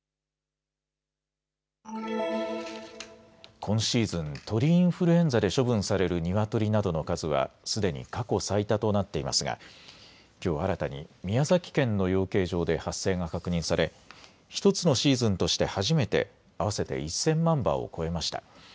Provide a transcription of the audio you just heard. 今シーズン、鳥インフルエンザで処分されるニワトリなどの数はすでに過去最多となっていますがきょう新たに宮崎県の養鶏場で発生が確認され１つのシーズンとして初めて合わせて１０００万羽を超えました。